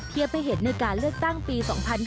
เทียบไปเห็นในการเลือกตั้งปี๒๕๖๖